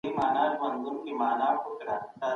د دلارام ولسوالي د سوداګرۍ یوه لویه دروازه ده